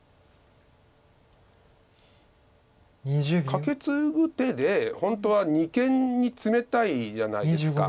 カケツグ手で本当は二間にツメたいじゃないですか。